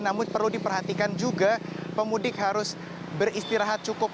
namun perlu diperhatikan juga pemudik harus beristirahat cukup